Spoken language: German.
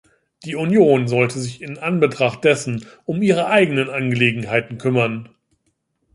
Die Union sollte sich in Anbetracht dessen um ihre eigenen Angelegenheiten kümmern.